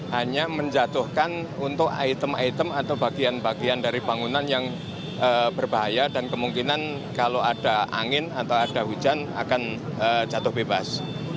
hanya menjatuhkan untuk item item atau bagian bagian dari bangunan yang berbahaya dan kemungkinan kalau ada angin atau ada hujan akan jatuh bebas